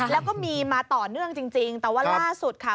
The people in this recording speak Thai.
แล้วก็มีมาต่อเนื่องจริงแต่ว่าล่าสุดค่ะ